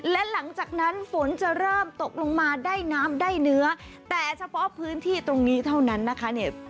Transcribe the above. และหลังจากนั้นฝนจะเริ่มตกลงมาได้น้ำได้เนื้อแต่เฉพาะพื้นที่ตรงนี้เท่านั้นนะคะเนี่ย